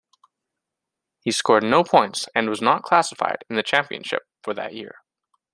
He scored no points and was not classified in the championship for that year.